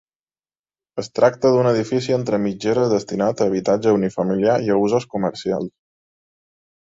Es tracta d'un edifici entre mitgeres destinat a habitatge unifamiliar i a usos comercials.